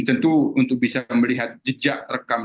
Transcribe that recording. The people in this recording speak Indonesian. ini tentu untuk bisa melihat jejak rekaman